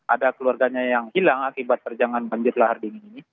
ada keluarganya yang hilang akibat terjangan banjir lahar dingin ini